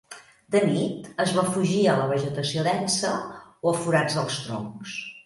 De nit, es refugia a la vegetació densa o a forats dels troncs.